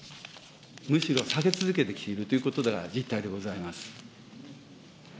むしろ下げ続けてきているということが実態でございます。